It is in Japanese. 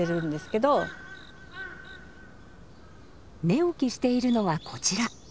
寝起きしているのはこちら。